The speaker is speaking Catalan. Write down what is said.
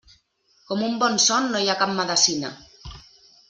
Com un bon son no hi ha cap medecina.